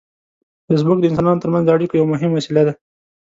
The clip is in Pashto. فېسبوک د انسانانو ترمنځ د اړیکو یو مهم وسیله ده